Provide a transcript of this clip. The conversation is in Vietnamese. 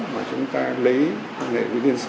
mà chúng ta lấy